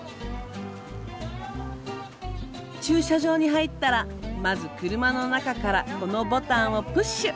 駐車場に入ったらまず車の中からこのボタンをプッシュ。